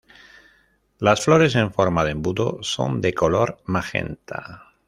Las flores en forma de embudo son de color magenta.